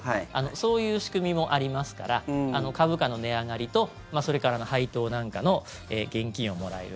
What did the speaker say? そういう仕組みもありますから株価の値上がりとそれから配当なんかの現金をもらえる。